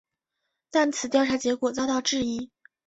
但此调查结果遭到质疑。